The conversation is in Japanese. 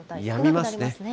やみますね。